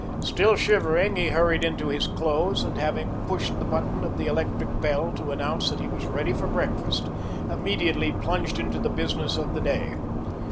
Still shivering, he hurried into his clothes, and, having pushed the button of the electric bell to announce that he was ready for breakfast, immediately plunged into the business of the day.